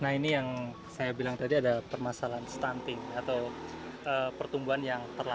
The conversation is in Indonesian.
nah ini yang saya bilang tadi ada permasalahan stunting atau pertumbuhan yang terlalu